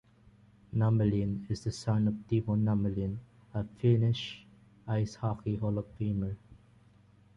Nummelin is the son of Timo Nummelin, a Finnish ice hockey hall of famer.